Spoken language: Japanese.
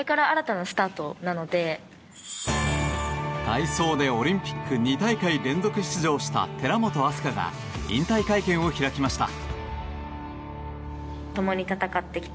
体操でオリンピック２大会連続出場した寺本明日香が引退会見を開きました。